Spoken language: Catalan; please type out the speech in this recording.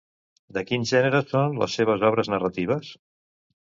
De quin gènere són les seves obres narratives?